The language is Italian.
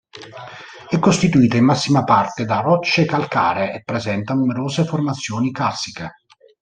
È costituita in massima parte da rocce calcaree e presenta numerose formazioni carsiche.